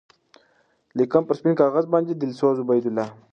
لیکم پر سپین کاغذ باندی دلسوز عبیدالله